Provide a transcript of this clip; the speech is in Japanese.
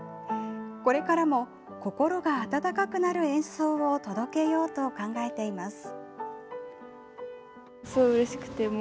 これからも心が温かくなる演奏を届けようと考えています。